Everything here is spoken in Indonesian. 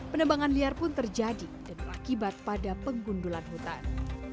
penebangan liar pun terjadi dan berakibat pada penggundulan hutan